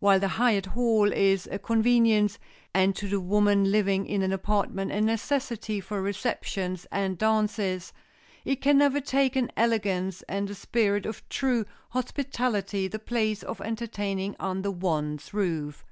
While the hired hall is a convenience, and to the woman living in an apartment a necessity for receptions and dances, it can never take in elegance and the spirit of true hospitality the place of entertaining under one's roof.